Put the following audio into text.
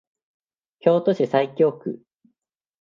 京都市西京区